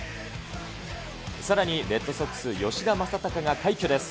さらにレッドソックス、吉田正尚が快挙です。